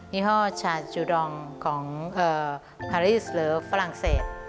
ี่ห้อชาจูดองของคาริสหรือฝรั่งเศส